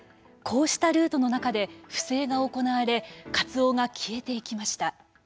こうしたルートの中で不正が行われカツオが消えていきました。